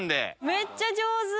めっちゃ上手！